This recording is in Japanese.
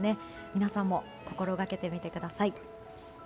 皆さんも心掛けてみてください。